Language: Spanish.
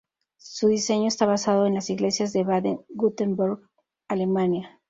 Su diseño está basado en las iglesias de Baden-Wurtemberg, Alemania.